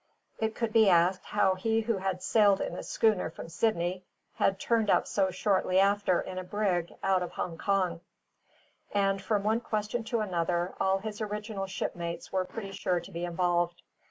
It would be asked how he who had sailed in a schooner from Sydney, had turned up so shortly after in a brig out of Hong Kong; and from one question to another all his original shipmates were pretty sure to be involved.